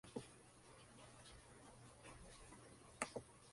Se asoció a la St.